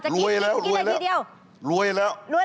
รวยแล้วรวยแล้ว